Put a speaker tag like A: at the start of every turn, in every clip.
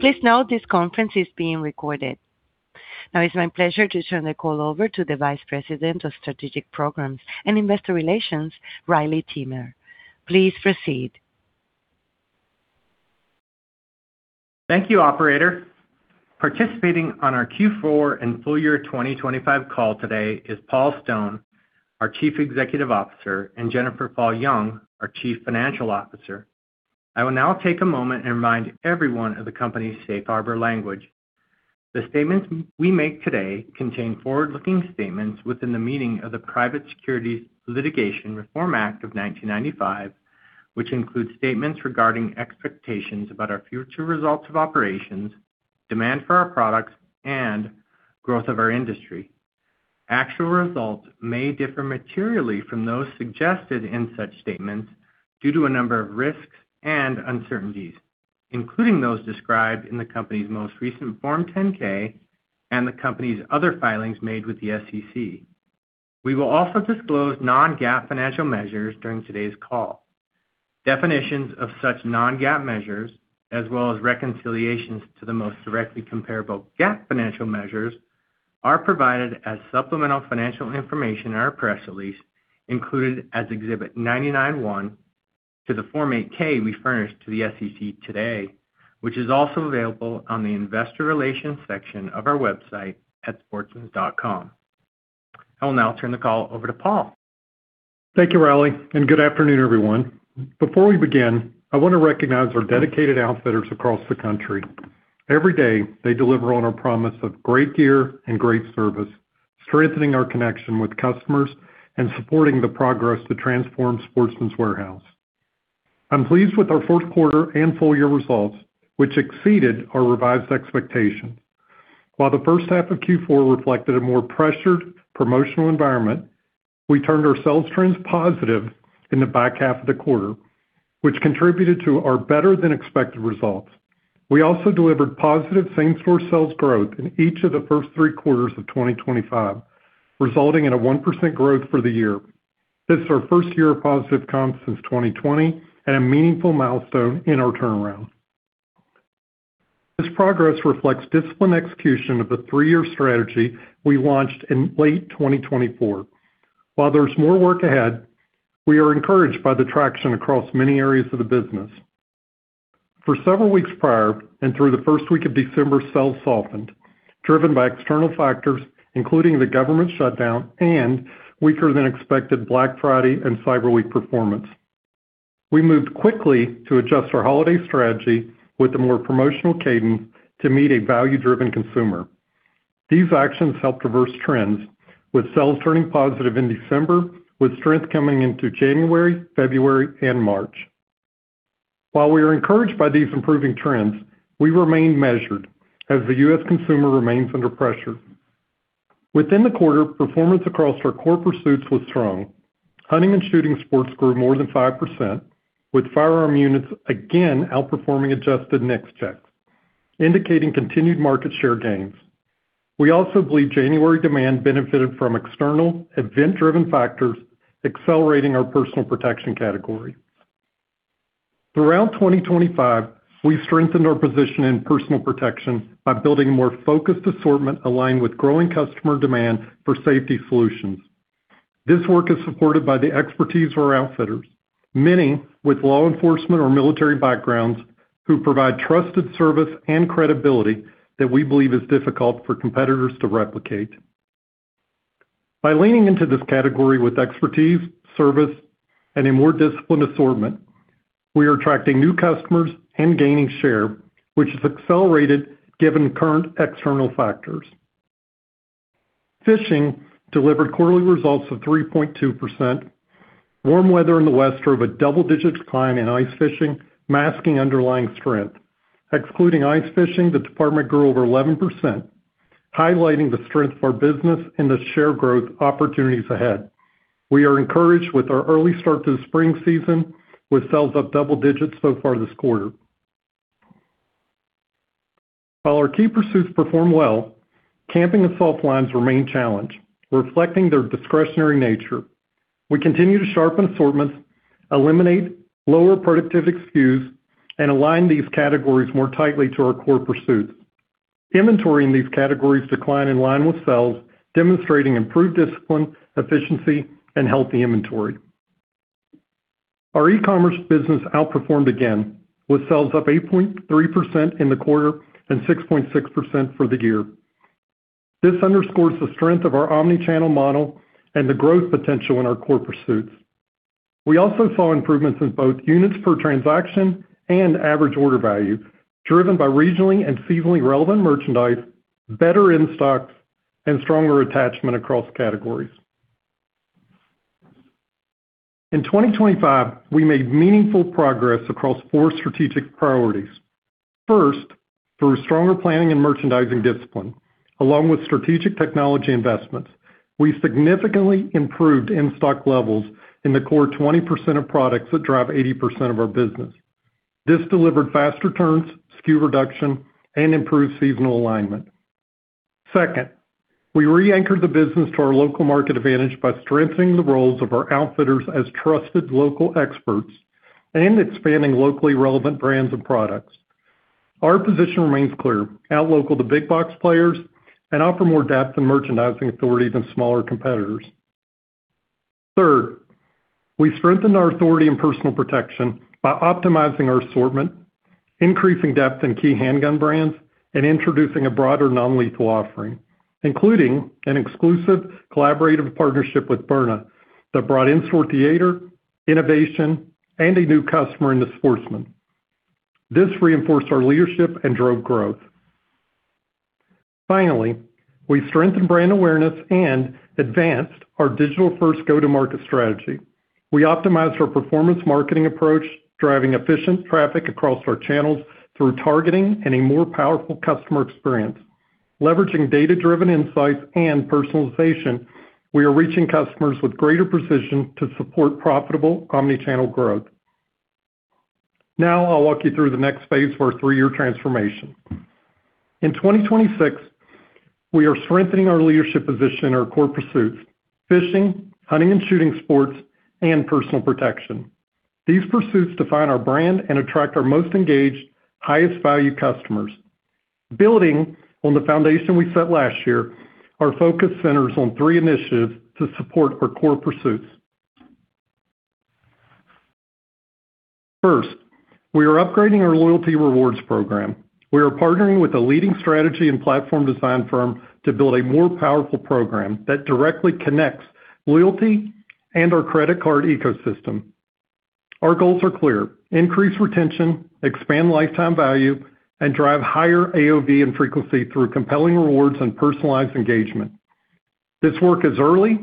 A: Please note this conference is being recorded. It's my pleasure to turn the call over to the Vice President of Strategic Programs and Investor Relations, Riley Timmer. Please proceed.
B: Thank you, operator. Participating on our Q4 and full year 2025 call today is Paul Stone, our Chief Executive Officer, and Jennifer Fall Jung, our Chief Financial Officer. I will now take a moment and remind everyone of the company's safe harbor language. The statements we make today contain forward-looking statements within the meaning of the Private Securities Litigation Reform Act of 1995, which includes statements regarding expectations about our future results of operations, demand for our products, and growth of our industry. Actual results may differ materially from those suggested in such statements due to a number of risks and uncertainties, including those described in the company's most recent Form 10-K and the company's other filings made with the SEC. We will also disclose non-GAAP financial measures during today's call. Definitions of such non-GAAP measures, as well as reconciliations to the most directly comparable GAAP financial measures, are provided as supplemental financial information in our press release included as Exhibit 99-1 to the Form 8-K we furnished to the SEC today, which is also available on the investor relations section of our website at sportsmans.com. I'll now turn the call over to Paul.
C: Thank you, Riley, and good afternoon, everyone. Before we begin, I want to recognize our dedicated outfitters across the country. Every day, they deliver on our promise of great gear and great service, strengthening our connection with customers and supporting the progress to transform Sportsman's Warehouse. I'm pleased with our fourth quarter and full year results, which exceeded our revised expectations. While the first half of Q4 reflected a more pressured promotional environment, we turned our sales trends positive in the back half of the quarter, which contributed to our better than expected results. We also delivered positive same-store sales growth in each of the first three quarters of 2025, resulting in a 1% growth for the year. This is our first year of positive comps since 2020 and a meaningful milestone in our turnaround. This progress reflects disciplined execution of the three-year strategy we launched in late 2024. While there's more work ahead, we are encouraged by the traction across many areas of the business. For several weeks prior and through the first week of December, sales softened, driven by external factors, including the government shutdown and weaker than expected Black Friday and Cyber Week performance. We moved quickly to adjust our holiday strategy with a more promotional cadence to meet a value-driven consumer. These actions helped reverse trends with sales turning positive in December, with strength coming into January, February and March. While we are encouraged by these improving trends, we remain measured as the U.S. consumer remains under pressure. Within the quarter, performance across our core pursuits was strong. Hunting and shooting sports grew more than 5%, with firearm units again outperforming adjusted NICS checks, indicating continued market share gains. We also believe January demand benefited from external event driven factors accelerating our personal protection category. Throughout 2025, we've strengthened our position in personal protection by building a more focused assortment aligned with growing customer demand for safety solutions. This work is supported by the expertise of our outfitters, many with law enforcement or military backgrounds who provide trusted service and credibility that we believe is difficult for competitors to replicate. By leaning into this category with expertise, service and a more disciplined assortment, we are attracting new customers and gaining share which has accelerated given current external factors. Fishing delivered quarterly results of 3.2%. Warm weather in the West drove a double-digit decline in ice fishing, masking underlying strength. Excluding ice fishing, the department grew over 11%, highlighting the strength of our business and the share growth opportunities ahead. We are encouraged with our early start to the spring season, with sales up double digits so far this quarter. While our key pursuits perform well, camping and soft lines remain challenged, reflecting their discretionary nature. We continue to sharpen assortments, eliminate lower productivity SKUs and align these categories more tightly to our core pursuits. Inventory in these categories decline in line with sales, demonstrating improved discipline, efficiency and healthy inventory. Our e-commerce business outperformed again with sales up 8.3% in the quarter and 6.6% for the year. This underscores the strength of our omni-channel model and the growth potential in our core pursuits. We also saw improvements in both units per transaction and average order value driven by regionally and seasonally relevant merchandise, better in-stocks and stronger attachment across categories. In 2025, we made meaningful progress across four strategic priorities. First, through stronger planning and merchandising discipline along with strategic technology investments, we significantly improved in-stock levels in the core 20% of products that drive 80% of our business. This delivered fast returns, SKU reduction and improved seasonal alignment. Second, we reanchored the business to our local market advantage by strengthening the roles of our outfitters as trusted local experts and expanding locally relevant brands and products. Our position remains clear, out-local the big box players and offer more depth in merchandising authority than smaller competitors. Third, we strengthened our authority in personal protection by optimizing our assortment, increasing depth in key handgun brands, and introducing a broader non-lethal offering, including an exclusive collaborative partnership with Byrna that brought in-store theater, innovation, and a new customer into Sportsman's. This reinforced our leadership and drove growth. Finally, we strengthened brand awareness and advanced our digital-first go-to-market strategy. We optimized our performance marketing approach, driving efficient traffic across our channels through targeting and a more powerful customer experience. Leveraging data-driven insights and personalization, we are reaching customers with greater precision to support profitable omni-channel growth. Now, I'll walk you through the next phase for our three-year transformation. In 2026, we are strengthening our leadership position in our core pursuits, fishing, hunting and shooting sports, and personal protection. These pursuits define our brand and attract our most engaged, highest value customers. Building on the foundation we set last year, our focus centers on three initiatives to support our core pursuits. First, we are upgrading our loyalty rewards program. We are partnering with a leading strategy and platform design firm to build a more powerful program that directly connects loyalty and our credit card ecosystem. Our goals are clear, increase retention, expand lifetime value, and drive higher AOV and frequency through compelling rewards and personalized engagement. This work is early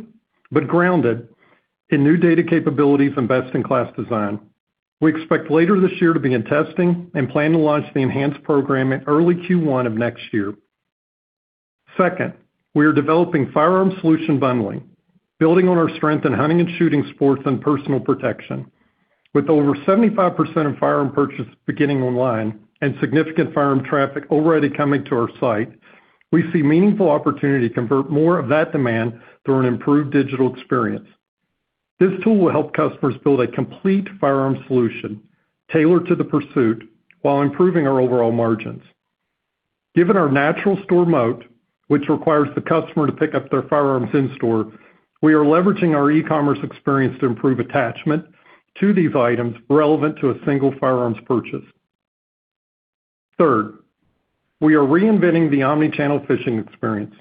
C: but grounded in new data capabilities and best-in-class design. We expect later this year to be in testing and plan to launch the enhanced program in early Q1 of next year. Second, we are developing firearm solution bundling, building on our strength in hunting and shooting sports and personal protection. With over 75% of firearm purchases beginning online and significant firearm traffic already coming to our site, we see meaningful opportunity to convert more of that demand through an improved digital experience. This tool will help customers build a complete firearm solution tailored to the pursuit while improving our overall margins. Given our natural store moat, which requires the customer to pick up their firearms in store, we are leveraging our e-commerce experience to improve attachment to these items relevant to a single firearms purchase. Third, we are reinventing the omni-channel fishing experience.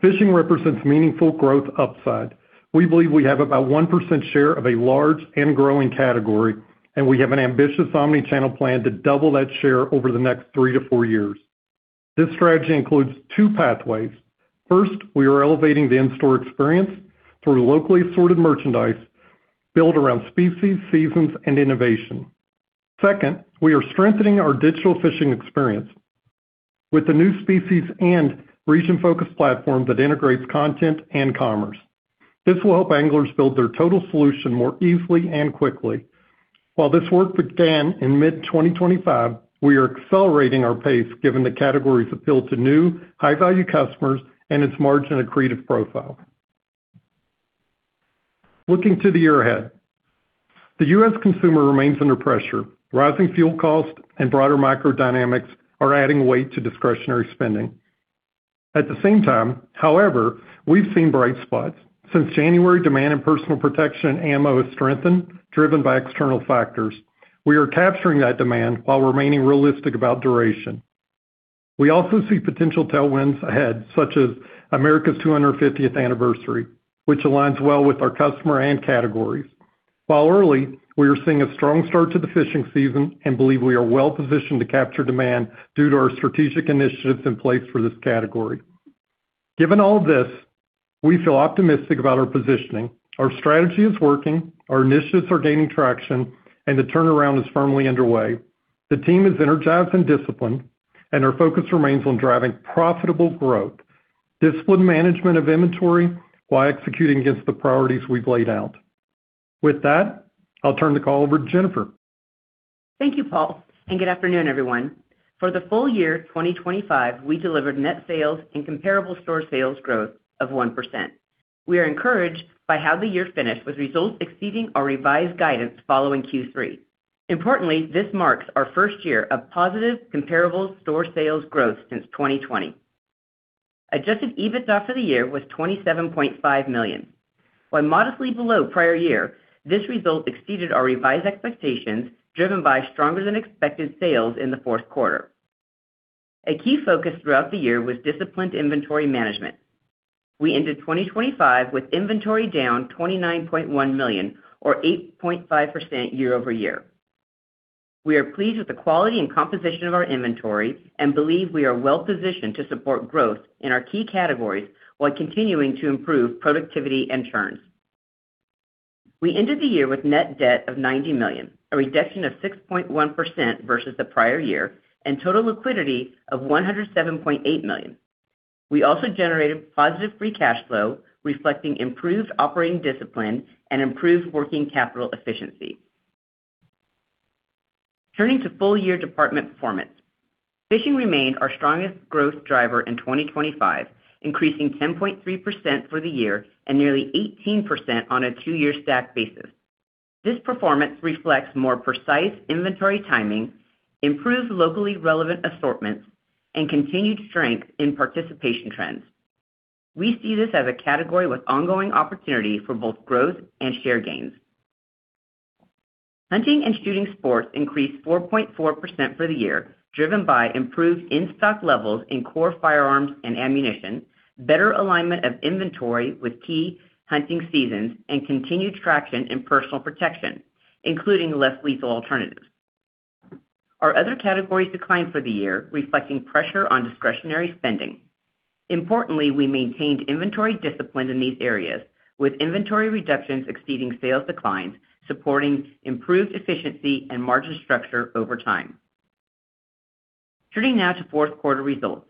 C: Fishing represents meaningful growth upside. We believe we have about 1% share of a large and growing category, and we have an ambitious omni-channel plan to double that share over the next three to four years. This strategy includes two pathways. First, we are elevating the in-store experience through locally assorted merchandise built around species, seasons, and innovation. Second, we are strengthening our digital fishing experience with the new species and region-focused platform that integrates content and commerce. This will help anglers build their total solution more easily and quickly. While this work began in mid-2025, we are accelerating our pace given the category's appeal to new high-value customers and its margin accretive profile. Looking to the year ahead, the U.S. consumer remains under pressure. Rising fuel costs and broader macro dynamics are adding weight to discretionary spending. At the same time, however, we've seen bright spots. Since January, demand and personal protection ammo has strengthened, driven by external factors. We are capturing that demand while remaining realistic about duration. We also see potential tailwinds ahead, such as America's 250th anniversary, which aligns well with our customer and categories. While early, we are seeing a strong start to the fishing season and believe we are well positioned to capture demand due to our strategic initiatives in place for this category. Given all this, we feel optimistic about our positioning. Our strategy is working, our initiatives are gaining traction, and the turnaround is firmly underway. The team is energized and disciplined, and our focus remains on driving profitable growth, disciplined management of inventory, while executing against the priorities we've laid out. With that, I'll turn the call over to Jennifer.
D: Thank you, Paul, and good afternoon, everyone. For the full year 2025, we delivered net sales and comparable store sales growth of 1%. We are encouraged by how the year finished with results exceeding our revised guidance following Q3. Importantly, this marks our first year of positive comparable store sales growth since 2020. Adjusted EBITDA for the year was $27.5 million. While modestly below prior year, this result exceeded our revised expectations, driven by stronger than expected sales in the fourth quarter. A key focus throughout the year was disciplined inventory management. We ended 2025 with inventory down $29.1 million or 8.5% year-over-year. We are pleased with the quality and composition of our inventory and believe we are well positioned to support growth in our key categories while continuing to improve productivity and churn. We ended the year with net debt of $90 million, a reduction of 6.1% versus the prior year and total liquidity of $107.8 million. We also generated positive free cash flow, reflecting improved operating discipline and improved working capital efficiency. Turning to full year department performance. Fishing remained our strongest growth driver in 2025, increasing 10.3% for the year and nearly 18% on a two-year stack basis. This performance reflects more precise inventory timing, improved locally relevant assortments, and continued strength in participation trends. We see this as a category with ongoing opportunity for both growth and share gains. Hunting and shooting sports increased 4.4% for the year, driven by improved in-stock levels in core firearms and ammunition, better alignment of inventory with key hunting seasons, and continued traction in personal protection, including less lethal alternatives. Our other categories declined for the year, reflecting pressure on discretionary spending. Importantly, we maintained inventory discipline in these areas, with inventory reductions exceeding sales declines, supporting improved efficiency and margin structure over time. Turning now to fourth quarter results.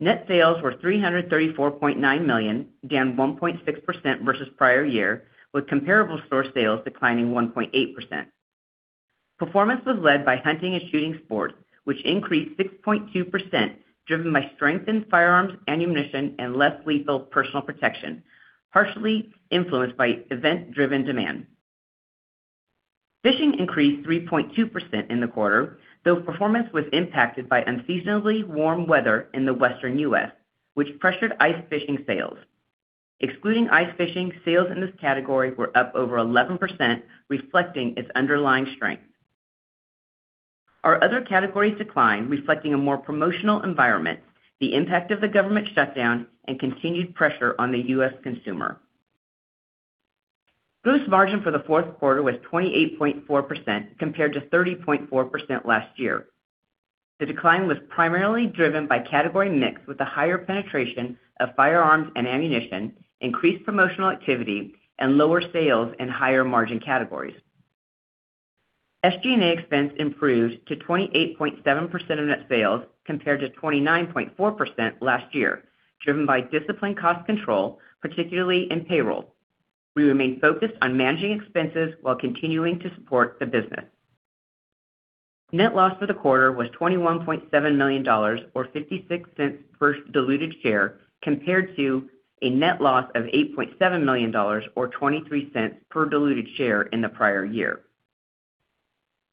D: Net sales were $334.9 million, down 1.6% versus prior year, with comparable store sales declining 1.8%. Performance was led by hunting and shooting sports, which increased 6.2%, driven by strengthened firearms and ammunition and less lethal personal protection, partially influenced by event-driven demand. Fishing increased 3.2% in the quarter, though performance was impacted by unseasonably warm weather in the Western U.S., which pressured ice fishing sales. Excluding ice fishing, sales in this category were up over 11%, reflecting its underlying strength. Our other categories declined, reflecting a more promotional environment, the impact of the government shutdown and continued pressure on the U.S. consumer. Gross margin for the fourth quarter was 28.4% compared to 30.4% last year. The decline was primarily driven by category mix with a higher penetration of firearms and ammunition, increased promotional activity and lower sales in higher margin categories. SG&A expense improved to 28.7% of net sales compared to 29.4% last year, driven by disciplined cost control, particularly in payroll. We remain focused on managing expenses while continuing to support the business. Net loss for the quarter was $21.7 million, or $0.56 per diluted share, compared to a net loss of $8.7 million, or $0.23 per diluted share in the prior year.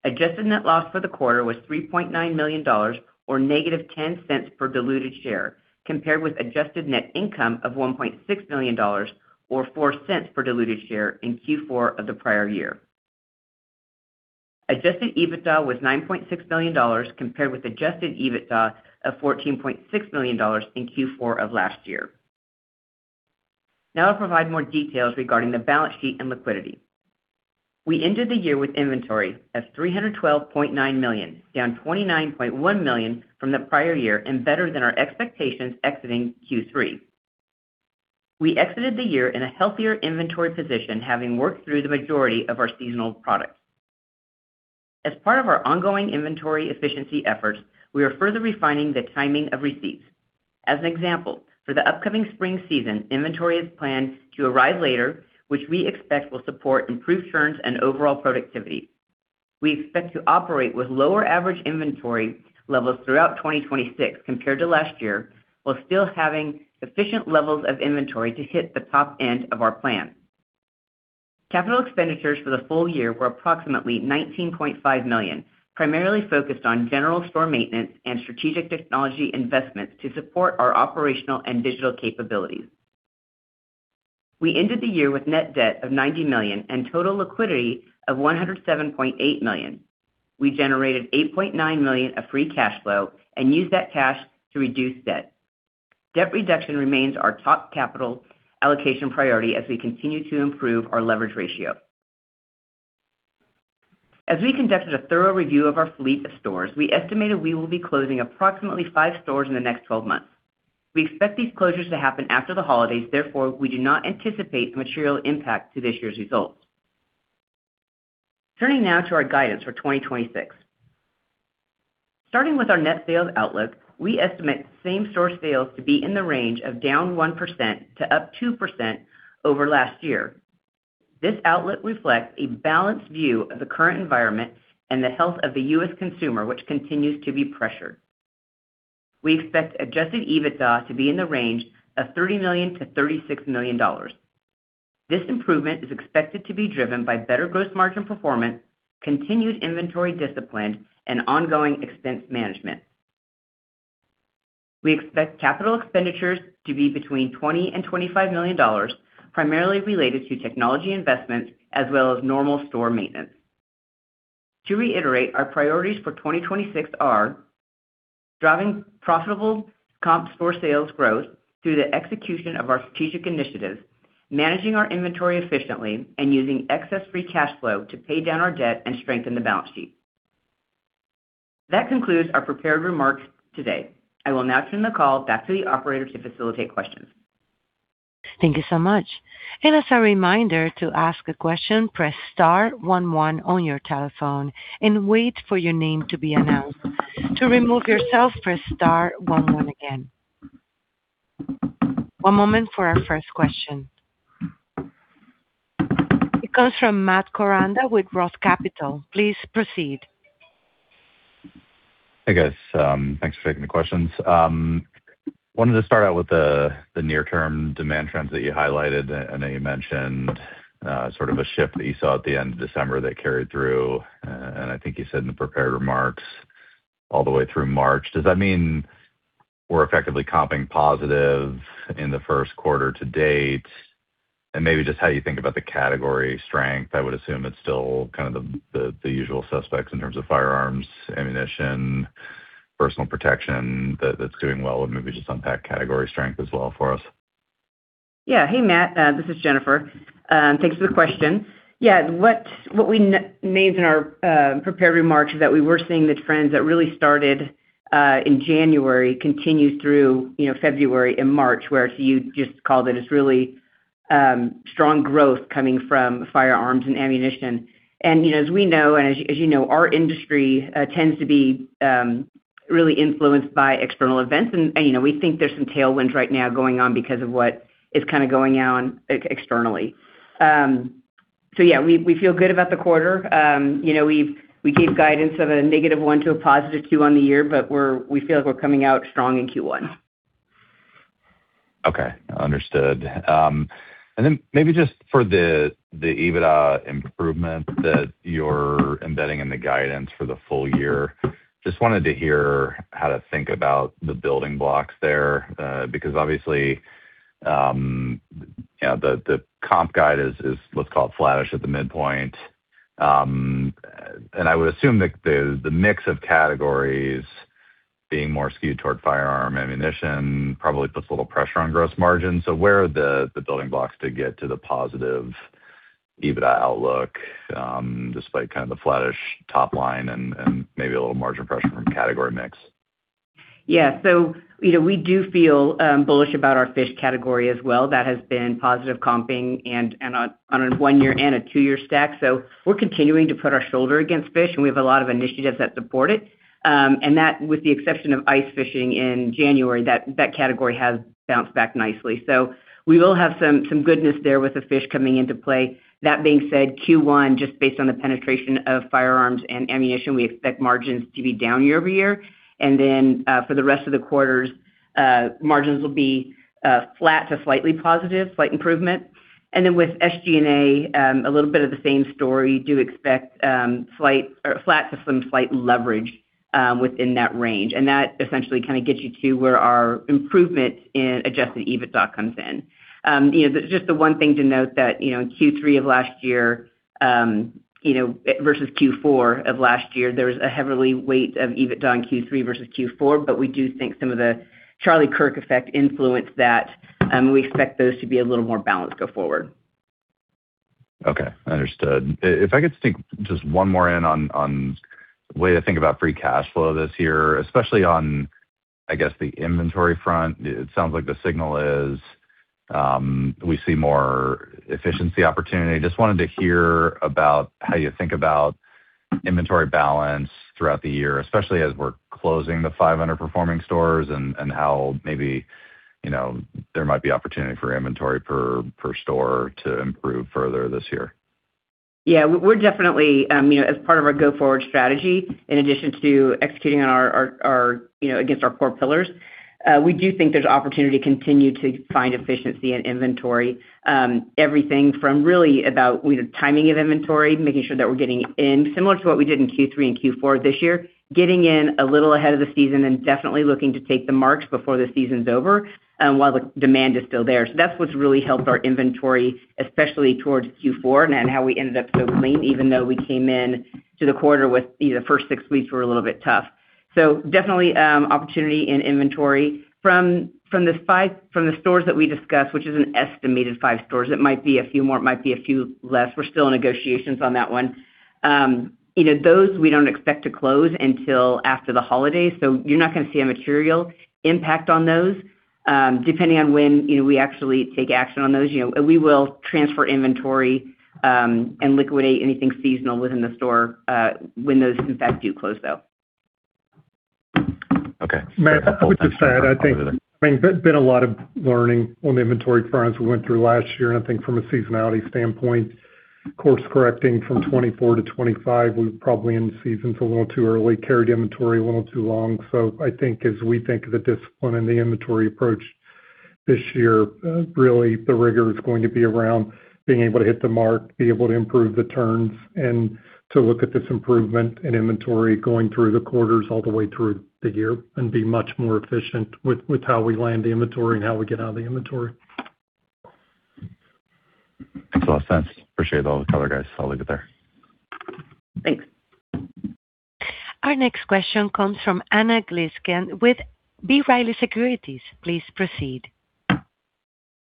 D: Adjusted net loss for the quarter was $3.9 million or -$0.10 per diluted share, compared with adjusted net income of $1.6 million or $0.04 per diluted share in Q4 of the prior year. Adjusted EBITDA was $9.6 million compared with Adjusted EBITDA of $14.6 million in Q4 of last year. Now, I'll provide more details regarding the balance sheet and liquidity. We ended the year with inventory of $312.9 million, down $29.1 million from the prior year and better than our expectations exiting Q3. We exited the year in a healthier inventory position, having worked through the majority of our seasonal products. As part of our ongoing inventory efficiency efforts, we are further refining the timing of receipts. As an example, for the upcoming spring season, inventory is planned to arrive later, which we expect will support improved turns and overall productivity. We expect to operate with lower average inventory levels throughout 2026 compared to last year, while still having sufficient levels of inventory to hit the top end of our plan. Capital expenditures for the full year were approximately $19.5 million, primarily focused on general store maintenance and strategic technology investments to support our operational and digital capabilities. We ended the year with net debt of $90 million and total liquidity of $107.8 million. We generated $8.9 million of free cash flow and used that cash to reduce debt. Debt reduction remains our top capital allocation priority as we continue to improve our leverage ratio. As we conducted a thorough review of our fleet of stores, we estimated we will be closing approximately five stores in the next 12 months. We expect these closures to happen after the holidays. Therefore, we do not anticipate a material impact to this year's results. Turning now to our guidance for 2026. Starting with our net sales outlook, we estimate same-store sales to be in the range of down 1% to up 2% over last year. This outlook reflects a balanced view of the current environment and the health of the U.S. consumer, which continues to be pressured. We expect Adjusted EBITDA to be in the range of $30 million-$36 million. This improvement is expected to be driven by better gross margin performance, continued inventory discipline, and ongoing expense management. We expect capital expenditures to be between $20 million-$25 million, primarily related to technology investments as well as normal store maintenance. To reiterate, our priorities for 2026 are driving profitable comp store sales growth through the execution of our strategic initiatives, managing our inventory efficiently, and using excess free cash flow to pay down our debt and strengthen the balance sheet. That concludes our prepared remarks today. I will now turn the call back to the operator to facilitate questions.
A: Thank you so much. And as a reminder, to ask a question, press star one one on your telephone and wait for your name to be announced. To remove yourself, press star one one again. One moment for our first question. It comes from Matt Koranda with Roth Capital Partners. Please proceed.
E: Hey, guys. Thanks for taking the questions. I wanted to start out with the near term demand trends that you highlighted, and that you mentioned, sort of a shift that you saw at the end of December that carried through, and I think you said in the prepared remarks all the way through March. Does that mean we're effectively comping positive in the first quarter to date? Maybe just how you think about the category strength. I would assume it's still kind of the usual suspects in terms of firearms, ammunition, personal protection that's doing well. Maybe just unpack category strength as well for us.
D: Hey, Matt. This is Jennifer. Thanks for the question. What we mentioned in our prepared remarks is that we were seeing the trends that really started in January continue through, you know, February and March, where, as you just called it's really strong growth coming from firearms and ammunition. You know, as we know and as you know, our industry tends to be really influenced by external events. You know, we think there's some tailwinds right now going on because of what is kind of going on externally. We feel good about the quarter. You know, we gave guidance of -1% to +2% on the year, but we feel like we're coming out strong in Q1.
E: Okay. Understood. Maybe just for the EBITDA improvement that you're embedding in the guidance for the full year, just wanted to hear how to think about the building blocks there. Because obviously, you know, the comp guide is let's call it flattish at the midpoint. I would assume that the mix of categories being more skewed toward firearm ammunition probably puts a little pressure on gross margins. Where are the building blocks to get to the positive EBITDA outlook, despite kind of the flattish top line and maybe a little margin pressure from category mix?
D: Yeah. You know, we do feel bullish about our fish category as well. That has been positive comping and on a one year and two year stack. We're continuing to put our shoulder against fish, and we have a lot of initiatives that support it. That, with the exception of ice fishing in January, has bounced back nicely. We will have some goodness there with the fish coming into play. That being said, Q1, just based on the penetration of firearms and ammunition, we expect margins to be down year-over-year. For the rest of the quarters, margins will be flat to slightly positive, slight improvement. With SG&A, a little bit of the same story. Do expect slight or flat to some slight leverage within that range. That essentially kinda gets you to where our improvement in Adjusted EBITDA comes in. You know, just the one thing to note that, you know, in Q3 of last year, you know, versus Q4 of last year, there was a heavy weighting of EBITDA in Q3 versus Q4, but we do think some of the calendar quirk effect influenced that. We expect those to be a little more balanced go forward.
E: Okay. Understood. If I could sneak just one more in on the way to think about free cash flow this year, especially on, I guess, the inventory front. It sounds like the signal is, we see more efficiency opportunity. Just wanted to hear about how you think about inventory balance throughout the year, especially as we're closing the five underperforming stores and how maybe, you know, there might be opportunity for inventory per store to improve further this year.
D: Yeah. We're definitely, you know, as part of our go forward strategy, in addition to executing on our against our core pillars, we do think there's opportunity to continue to find efficiency in inventory. Everything from really about the timing of inventory, making sure that we're getting in, similar to what we did in Q3 and Q4 this year, getting in a little ahead of the season and definitely looking to take the marks before the season's over and while the demand is still there. That's what's really helped our inventory, especially towards Q4 and how we ended up so clean, even though we came in to the quarter with, you know, the first six weeks were a little bit tough. Definitely, opportunity in inventory. From the stores that we discussed, which is an estimated five stores, it might be a few more, it might be a few less. We're still in negotiations on that one. You know, those we don't expect to close until after the holidays, so you're not gonna see a material impact on those. Depending on when, you know, we actually take action on those, you know, we will transfer inventory and liquidate anything seasonal within the store when those in fact do close, though.
E: Okay.
C: Matt, I would just add, I think, I mean, there's been a lot of learning on the inventory front as we went through last year. I think from a seasonality standpoint, course correcting from 2024 to 2025, we probably ended seasons a little too early, carried inventory a little too long. I think as we think of the discipline and the inventory approach this year, really the rigor is going to be around being able to hit the mark, be able to improve the turns, and to look at this improvement in inventory going through the quarters all the way through the year, and be much more efficient with how we land the inventory and how we get out of the inventory.
E: Makes a lot of sense. Appreciate all the color, guys. I'll leave it there.
D: Thanks.
A: Our next question comes from Anna Glaessgen with B. Riley Securities. Please proceed.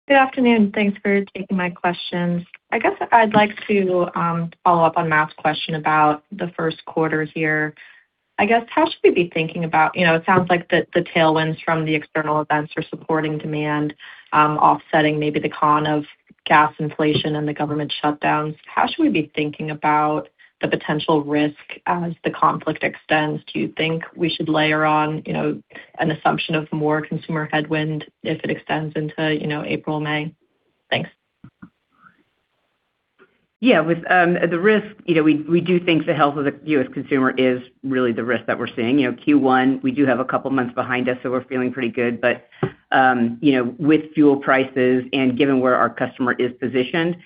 F: Good afternoon. Thanks for taking my questions. I guess, I'd like to follow up on Matt's question about the first quarter here. I guess, how should we be thinking about. You know, it sounds like the tailwinds from the external events are supporting demand, offsetting maybe the cost of gas inflation and the government shutdowns. How should we be thinking about the potential risk as the conflict extends? Do you think we should layer on, you know, an assumption of more consumer headwind if it extends into, you know, April, May? Thanks.
D: Yeah, with the risk, you know, we do think the health of the U.S. consumer is really the risk that we're seeing. You know, Q1, we do have a couple months behind us, so we're feeling pretty good. You know, with fuel prices and given where our customer is positioned,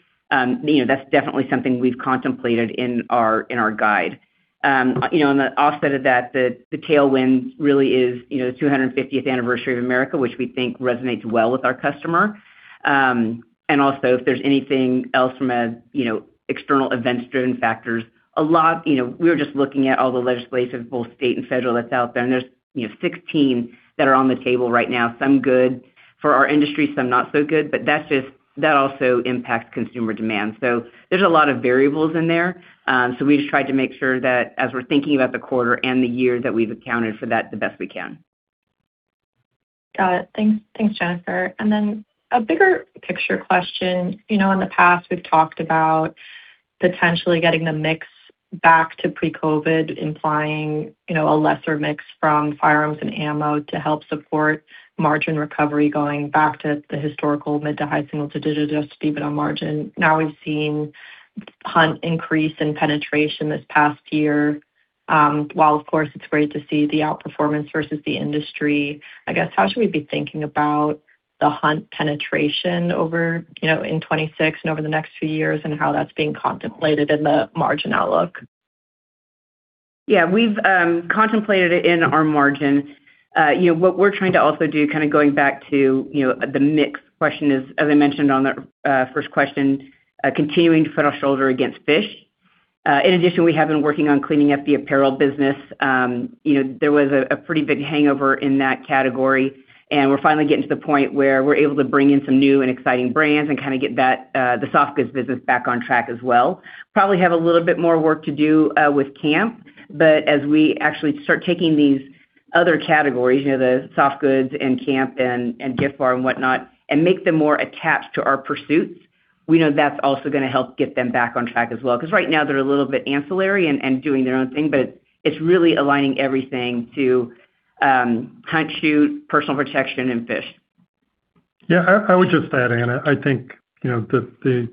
D: you know, that's definitely something we've contemplated in our guide. You know, on the offset of that, the tailwind really is, you know, America's 250th anniversary, which we think resonates well with our customer. And also if there's anything else from, you know, external event-driven factors. You know, we were just looking at all the legislation, both state and federal, that's out there, and there's, you know, 16 that are on the table right now. Some good for our industry, some not so good, but that also impacts consumer demand. There's a lot of variables in there. We just tried to make sure that as we're thinking about the quarter and the year, that we've accounted for that the best we can.
F: Got it. Thanks. Thanks, Jennifer. A bigger picture question. You know, in the past, we've talked about potentially getting the mix back to pre-COVID, implying, you know, a lesser mix from firearms and ammo to help support margin recovery going back to the historical mid- to high-single-digit EBITDA margin. Now, we've seen hunt increase in penetration this past year. While of course, it's great to see the outperformance versus the industry, I guess, how should we be thinking about the hunt penetration over, you know, in 2026 and over the next few years, and how that's being contemplated in the margin outlook?
D: Yeah. We've contemplated it in our margin. You know, what we're trying to also do, kind of going back to, you know, the mix question is, as I mentioned on the first question, continuing to put our shoulder against fishing. In addition, we have been working on cleaning up the apparel business. You know, there was a pretty big hangover in that category, and we're finally getting to the point where we're able to bring in some new and exciting brands and kinda get that, the soft goods business back on track as well. Probably have a little bit more work to do with camp, but as we actually start taking these other categories, you know, the soft goods and camp and gift card and whatnot, and make them more attached to our pursuits, we know that's also gonna help get them back on track as well. 'Cause right now they're a little bit ancillary and doing their own thing, but it's really aligning everything to hunt, shoot, personal protection, and fish.
C: Yeah. I would just add, Anna, I think, you know, the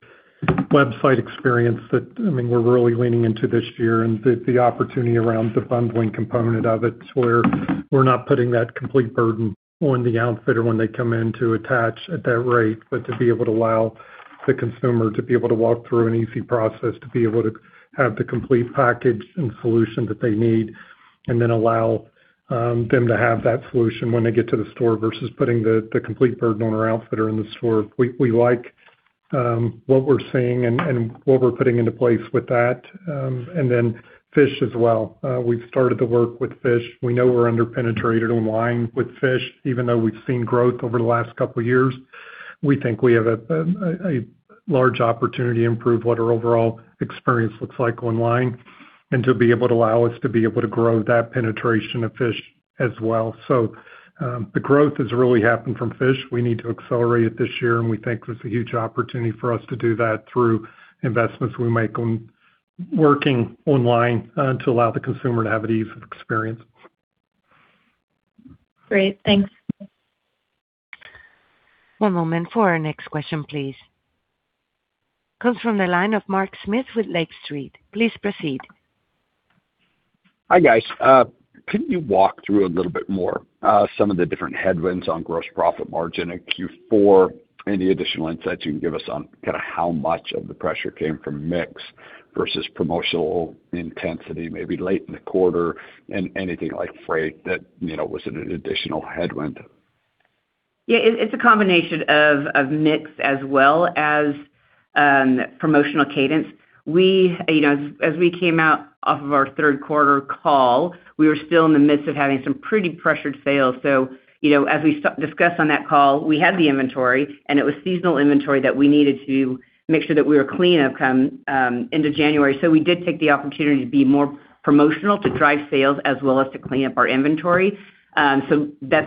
C: website experience that, I mean, we're really leaning into this year and the opportunity around the bundling component of it, where we're not putting that complete burden on the outfitter when they come in to attach at that rate, but to be able to allow the consumer to be able to walk through an easy process, to be able to have the complete package and solution that they need, and then allow them to have that solution when they get to the store versus putting the complete burden on our outfitter in the store. We like what we're seeing and what we're putting into place with that. Fish as well. We've started the work with fish. We know we're under-penetrated online with fishing, even though we've seen growth over the last couple years. We think we have a large opportunity to improve what our overall experience looks like online and to be able to allow us to grow that penetration of fishing as well. The growth has really happened from fishing. We need to accelerate it this year, and we think there's a huge opportunity for us to do that through investments we make in working online, to allow the consumer to have an ease of experience.
F: Great. Thanks.
A: One moment for our next question, please. Comes from the line of Mark Smith with Lake Street. Please proceed.
G: Hi, guys. Can you walk through a little bit more some of the different headwinds on gross profit margin in Q4? Any additional insights you can give us on kinda how much of the pressure came from mix versus promotional intensity maybe late in the quarter and anything like freight that, you know, was an additional headwind?
D: Yeah. It's a combination of mix as well as promotional cadence. You know, as we came out of our third quarter call, we were still in the midst of having some pretty pressured sales. You know, as we discussed on that call, we had the inventory, and it was seasonal inventory that we needed to make sure that we were cleaned up coming into January. We did take the opportunity to be more promotional, to drive sales as well as to clean up our inventory. That's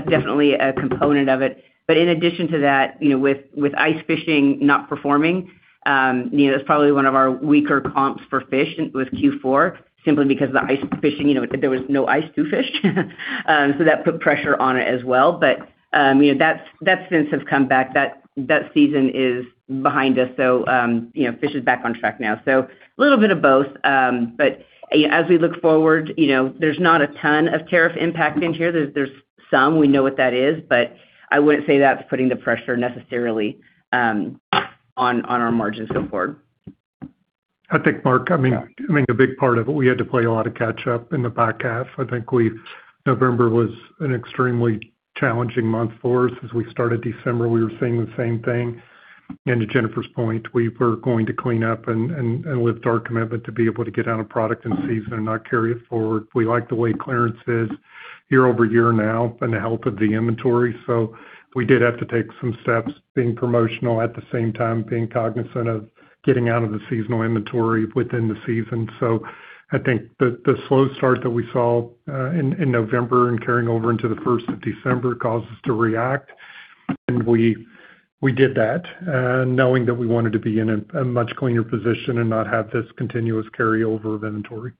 D: definitely a component of it. But in addition to that, you know, with ice fishing not performing, you know, that's probably one of our weaker comps for fishing in Q4, simply because the ice fishing, you know, there was no ice to fish. That put pressure on it as well. You know, fishing has come back. Fishing season is behind us, you know, fishing is back on track now. A little bit of both. As we look forward, you know, there's not a ton of tariff impact in here. There's some, we know what that is, but I wouldn't say that's putting the pressure necessarily, on our margins going forward.
C: I think, Mark, I mean.
G: Yeah.
C: I mean, a big part of it, we had to play a lot of catch up in the back half. I think November was an extremely challenging month for us. As we started December, we were seeing the same thing. To Jennifer's point, we were going to clean up and lift our commitment to be able to get out of product in season and not carry it forward. We like the way clearance is year-over-year now and the health of the inventory. We did have to take some steps being promotional, at the same time, being cognizant of getting out of the seasonal inventory within the season. I think the slow start that we saw in November and carrying over into the first of December caused us to react, and we did that knowing that we wanted to be in a much cleaner position and not have this continuous carryover of inventory.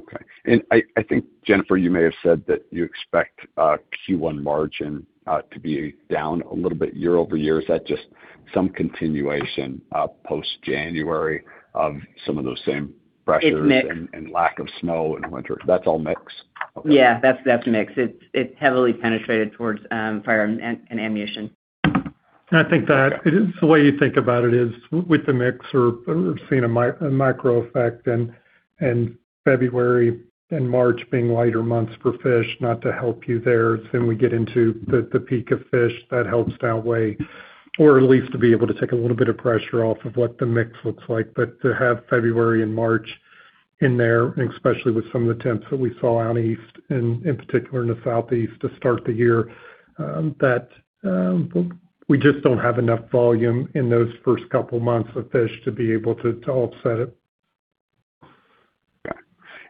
G: Okay. I think, Jennifer, you may have said that you expect Q1 margin to be down a little bit year-over-year. Is that just some continuation post January of some of those same pressures?
D: It's mix.
G: Lack of snow in winter? That's all mix? Okay.
D: Yeah, that's mix. It's heavily penetrated towards firearms and ammunition.
C: I think that it is the way you think about it is with the mix or seeing a macro effect and February and March being lighter months for fish not to help you there. Soon we get into the peak of fish that helps to outweigh or at least to be able to take a little bit of pressure off of what the mix looks like. To have February and March in there, and especially with some of the temps that we saw out east, in particular in the Southeast to start the year, that we just don't have enough volume in those first couple months of fish to be able to offset it.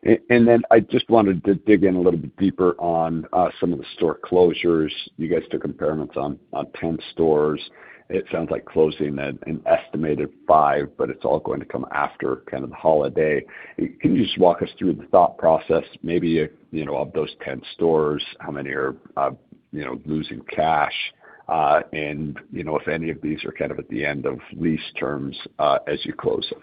G: Got it. I just wanted to dig in a little bit deeper on some of the store closures. You guys took impairments on 10 stores. It sounds like closing an estimated five, but it's all going to come after kind of the holiday. Can you just walk us through the thought process? Maybe, you know, of those 10 stores, how many are, you know, losing cash? You know, if any of these are kind of at the end of lease terms, as you close them.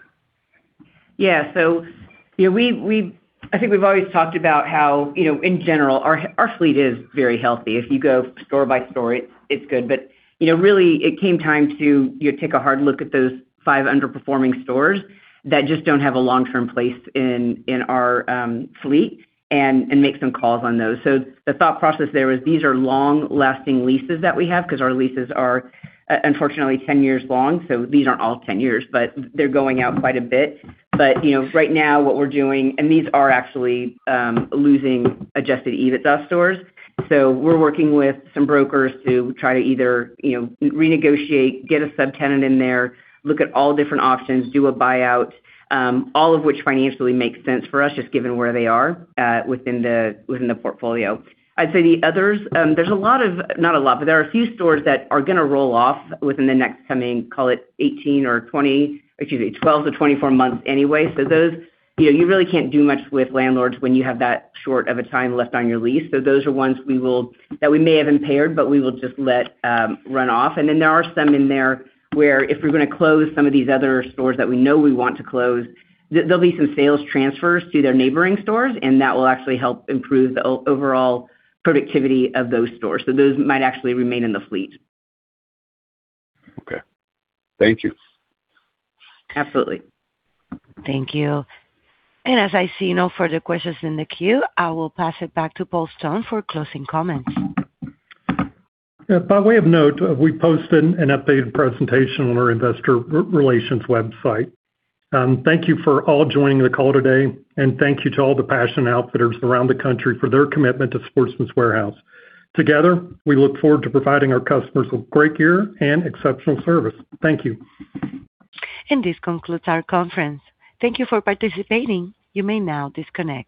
D: I think we've always talked about how, you know, in general, our fleet is very healthy. If you go store by store, it's good. You know, really it came time to, you know, take a hard look at those five underperforming stores that just don't have a long-term place in our fleet and make some calls on those. The thought process there is these are long-lasting leases that we have because our leases are unfortunately 10 years long, so these aren't all 10 years, but they're going out quite a bit. You know, right now what we're doing. These are actually losing Adjusted EBITDA stores. We're working with some brokers to try to either, you know, renegotiate, get a subtenant in there, look at all different options, do a buyout, all of which financially makes sense for us, just given where they are within the portfolio. I'd say the others, there's not a lot, but there are a few stores that are gonna roll off within the next coming, call it 12-24 months anyway. Those, you know, you really can't do much with landlords when you have that short of a time left on your lease. Those are ones that we may have impaired, but we will just let run off. There are some in there where if we're gonna close some of these other stores that we know we want to close, there'll be some sales transfers to their neighboring stores, and that will actually help improve the overall productivity of those stores. Those might actually remain in the fleet.
G: Okay. Thank you.
D: Absolutely.
A: Thank you. As I see no further questions in the queue, I will pass it back to Paul Stone for closing comments.
C: Yeah. By way of note, we've posted an updated presentation on our investor relations website. Thank you for all joining the call today, and thank you to all the passion outfitters around the country for their commitment to Sportsman's Warehouse. Together, we look forward to providing our customers with great gear and exceptional service. Thank you.
A: This concludes our conference. Thank you for participating. You may now disconnect.